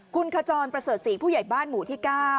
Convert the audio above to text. คุณขจรประเสริฐศรีผู้ใหญ่บ้านหมู่ที่๙